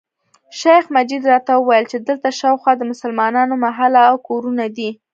شیخ مجید راته وویل چې دلته شاوخوا د مسلمانانو محله او کورونه دي.